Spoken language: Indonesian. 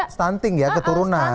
untuk stunting ya keturunan